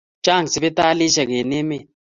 Chang sipitalishek en emet